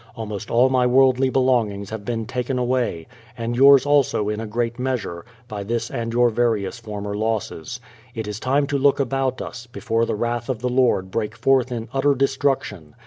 Almost all my worldly belongings have been take away, — and yours also in a great measure, by this and your various former losses. It is time to look about us, before the wrath of the Lord break forth in utter destruction.